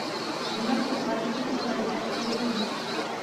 Унан һуң Ғарифты ғына ғәйепләп тә булмай.